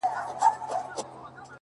• ځمه و لو صحراته،